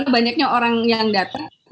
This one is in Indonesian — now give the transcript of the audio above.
banyaknya orang yang datang